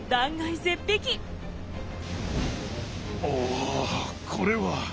おこれは。